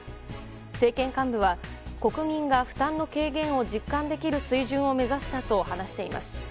政権幹部は、国民が負担の軽減を実感できる水準を目指したと話しています。